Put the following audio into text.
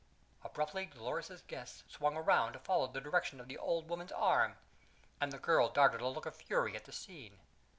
Abruptly Dolores's guests swung around to follow the direction of the old woman's arm, and the girl darted a look of fury at the scene.